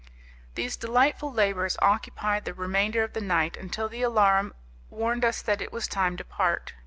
These delightful labours occupied the remainder of the night until the alarum warned us that it was time to part.